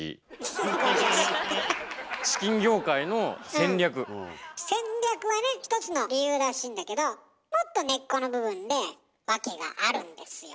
戦略はね一つの理由らしいんだけどもっと根っこの部分で訳があるんですよ。